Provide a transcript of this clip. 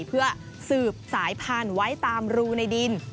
เพื่อสืบสายพันธุ์ไว้ตามรูในดิน